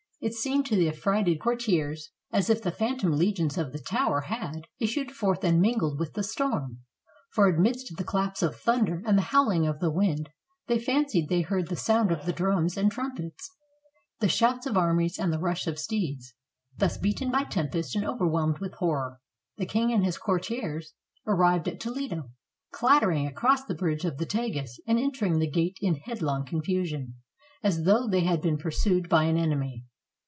It seemed to the affrighted courtiers as if the phantom legions of the tower had 441 SPAIN issued forth and mingled with the storm; for amidst the claps of thunder and the howling of the wind, they fan cied they heard the sound of the drums and trumpets, the shouts of armies, and the rush of steeds. Thus beaten by tempest and overwhelmed with horror, the king and his courtiers arrived at Toledo, clattering across the bridge of the Tagus and entering the gate in headlong confusion, as though they had been pur sued by an enemy.